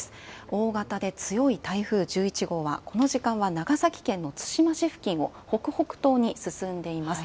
大型で強い台風１１号は、この時間は長崎県の対馬市付近を北北東に進んでいます。